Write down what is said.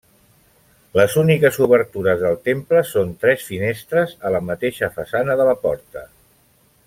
Les úniques obertures del temple són tres finestres, a la mateixa façana de la porta.